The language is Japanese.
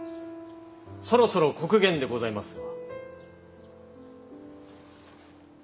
そろそろ刻限でございますが。